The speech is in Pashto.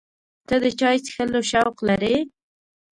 ته د چای څښلو شوق لرې؟